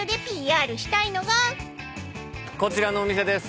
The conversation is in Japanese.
こちらのお店です。